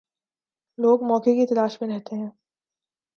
لوگ موقع کی تلاش میں رہتے ہیں۔